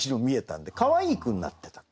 かわいい句になってた。